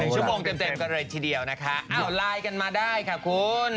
ชั่วโมงเต็มกันเลยทีเดียวนะคะไลน์กันมาได้ค่ะคุณ